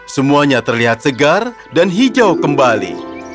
semuanya terlihat segar dan hijau kembali